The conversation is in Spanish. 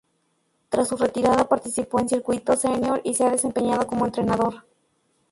Tras su retirada participó en circuitos senior y se ha desempeñado como entrenador.